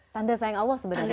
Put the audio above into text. tanda sayang allah sebenarnya